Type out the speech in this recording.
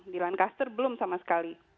di lankaster belum sama sekali